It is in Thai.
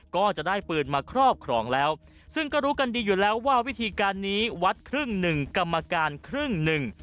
ก็จะได้ปืนมาครอบครองแล้วซึ่งก็รู้กันดีอยู่แล้วว่าวิธีการนี้วัดครึ่งหนึ่งกรรมการครึ่งหนึ่ง